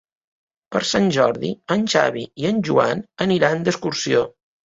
Per Sant Jordi en Xavi i en Joan aniran d'excursió.